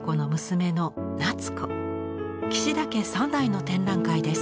岸田家３代の展覧会です。